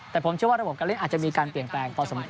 แต่ผมเชื่อว่าระบบการเล่นอาจจะมีการเปลี่ยนแปลงพอสมคว